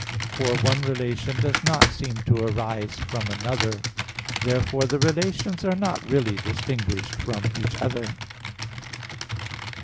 But one relation does not seem to arise from another. Therefore the relations are not really distinguished from each other.